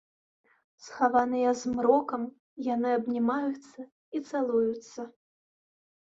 Схаваныя змрокам, яны абнімаюцца і цалуюцца.